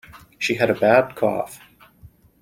She had a bad cough.